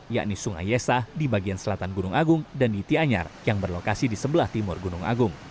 yakni sungai yesah di bagian selatan gunung agung dan di tianyar yang berlokasi di sebelah timur gunung agung